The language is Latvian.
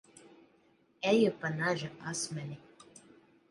Eju pa naža asmeni.